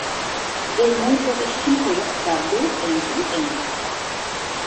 এর মূল প্রতিষ্ঠান হলো ডাব্লিউএমই-এমজি।